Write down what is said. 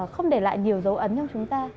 không để lại nhiều dấu ấn trong chúng ta